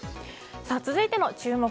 続いての注目